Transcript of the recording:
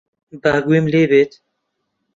با گوێم لێ بێت.